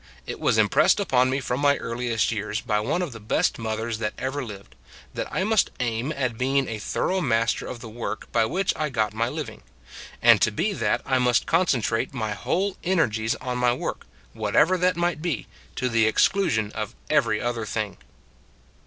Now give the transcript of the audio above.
It was impressed upon me from my earliest years, by one of the best mothers that ever lived, that I must aim at being a thorough master of the work by which I got my living ; and to be that I must concentrate my whole energies on my work, whatever that might be, to the ex clusion of every other thing.